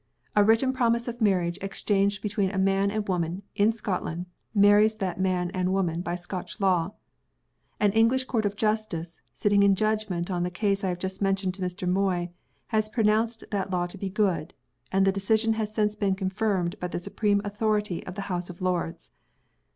A written promise of marriage exchanged between a man and woman, in Scotland, marries that man and woman by Scotch law. An English Court of Justice (sitting in judgment on the ease I have just mentioned to Mr. Moy) has pronounced that law to be good and the decision has since been confirmed by the supreme authority of the House of Lords.